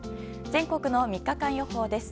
全国の３日間予報です。